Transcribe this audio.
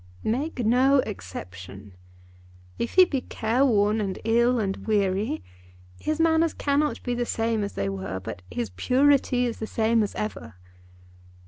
"Make no exception. If he be careworn and ill and weary, his manners cannot be the same as they were, but his purity is the same as ever."